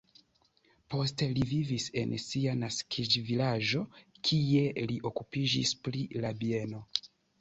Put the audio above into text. Poste li vivis en sia naskiĝvilaĝo, kie li okupiĝis pri la bieno.